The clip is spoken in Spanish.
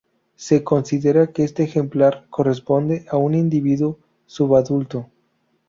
Se considera que este ejemplar corresponde a un individuo subadulto.